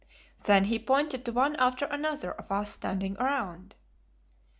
Then he pointed to one after another of us standing around.